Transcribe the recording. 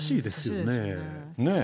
ねえ。